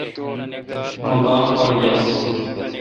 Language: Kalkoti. مہ باغ پر گس۔